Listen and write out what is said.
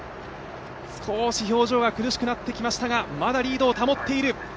少し表情が苦しくなってきましたがまだリードを保っている。